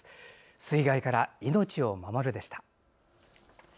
「水害から命を守る」でした。